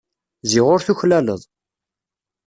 Ziɣ ur tuklaleḍ.